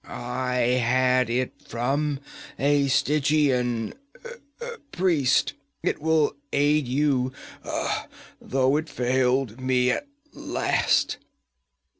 I had it from a Stygian priest. It will aid you, though it failed me at last.